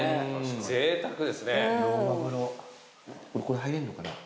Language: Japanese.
これ入れるのかな。